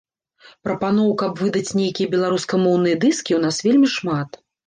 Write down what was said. Прапаноў, каб выдаць нейкія беларускамоўныя дыскі, у нас вельмі шмат.